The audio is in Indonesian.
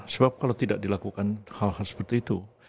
sebab kalau tidak dilakukan hal hal seperti itu